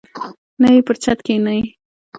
نه یې پر چت کښیني.